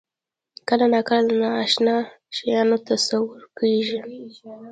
کله ناکله د نااشنا شیانو تصور کېږي.